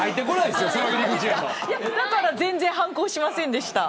全然、反抗しませんでした。